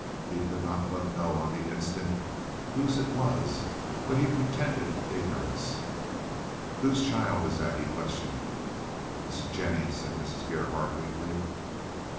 He could not but know on the instant whose it was, but he pretended ignorance. "Whose child is that?" he questioned. "It's Jennie's," said Mrs. Gerhardt, weakly.